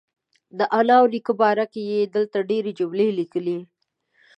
د انا او نیکه باره کې یې دلته ډېرې جملې لیکلي.